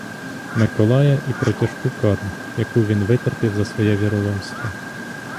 Миколая і про тяжку кару, яку він витерпів за своє віроломство.